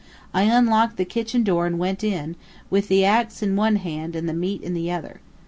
I unlocked the kitchen door and went in, with the axe in one hand and the meat in the other.